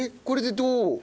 これでどう？